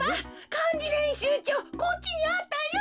かんじれんしゅうちょうこっちにあったよ！